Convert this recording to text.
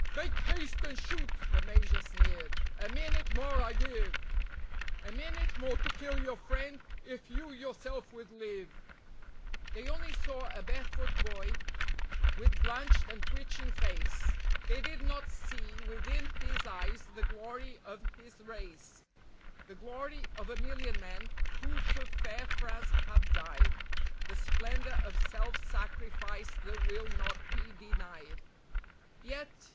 "Make haste and shoot," the Major sneered; "a minute more I give; A minute more to kill your friend, if you yourself would live." They only saw a bare foot boy, with blanched and twitching face; They did not see within his eyes the glory of his race; The glory of a million men who for fair France have died, The splendour of self sacrifice that will not be denied. Yet